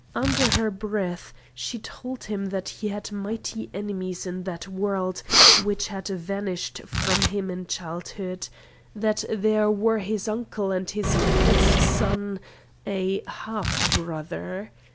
Under her breath she told him that he had mighty enemies in that world which had vanished from him in childhood: that they were his uncle and his uncle's son a half brother.